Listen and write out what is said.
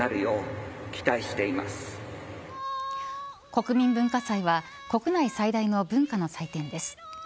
国民文化祭は国内最大の文化の祭典です。